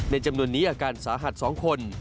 จำนวนนี้อาการสาหัส๒คน